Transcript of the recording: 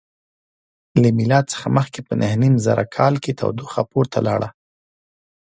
له میلاد څخه مخکې په نهه نیم زره کال کې تودوخه پورته لاړه.